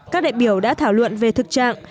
các đại biểu đã thảo luận về thực trạng